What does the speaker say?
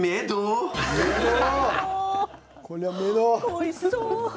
おいしそう。